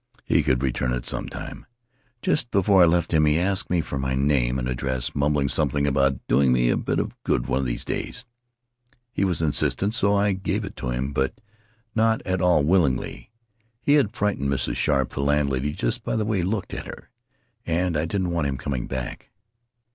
He could return it sometime. Just before I left him he asked for my name and address, mumbling something about doing me a bit of good one of these days. He was insistent, so I gave it to him, but not at all will ingly. He had frightened Mrs. Sharpe, the landlady, just by the way he looked at her, and I didn't want him coming back.